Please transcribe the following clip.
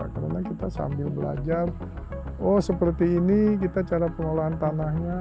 karena kita sambil belajar oh seperti ini kita cara pengolahan tanahnya